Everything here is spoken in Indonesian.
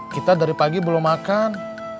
kita dari pagi belum makan